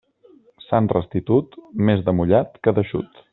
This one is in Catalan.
Sant Restitut, més de mullat que d'eixut.